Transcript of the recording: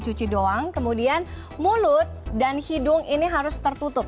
cuci doang kemudian mulut dan hidung ini harus tertutup